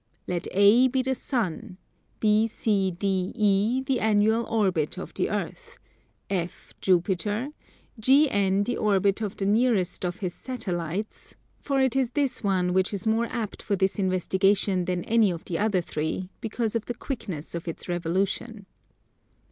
Let A be the Sun, BCDE the annual orbit of the Earth, F Jupiter, GN the orbit of the nearest of his Satellites, for it is this one which is more apt for this investigation than any of the other three, because of the quickness of its revolution.